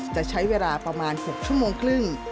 จะใช้เวลาประมาณ๖ชั่วโมงครึ่ง